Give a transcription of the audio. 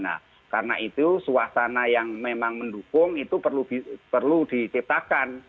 nah karena itu suasana yang memang mendukung itu perlu diciptakan